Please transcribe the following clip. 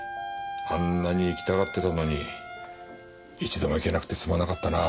あんなに行きたがってたのに一度も行けなくてすまなかったな。